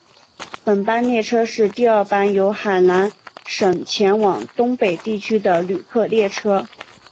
本班列车是第二班由海南省前往东北地区的旅客列车。